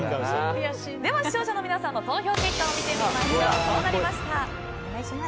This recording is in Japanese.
では視聴者の皆さんの投票結果を見てみましょう。